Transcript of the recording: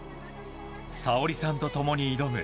紗欧里さんと共に挑む